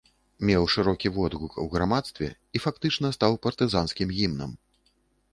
Меў шырокі водгук у грамадстве і фактычна стаў партызанскім гімнам.